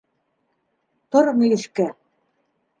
Тор мөйөшкә.